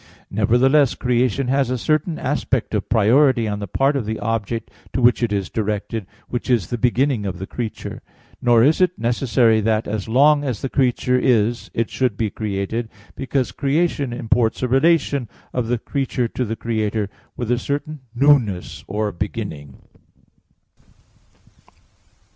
Nevertheless creation has a certain aspect of priority on the part of the object to which it is directed, which is the beginning of the creature. Nor is it necessary that as long as the creature is it should be created; because creation imports a relation of the creature to the Creator, with a certain newness or beginning.